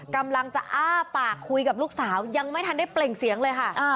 กำลังจะอ้าปากคุยกับลูกสาวยังไม่ทันได้เปล่งเสียงเลยค่ะ